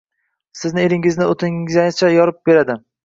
Sizni eringiz o‘tiningizgacha yorib beradi.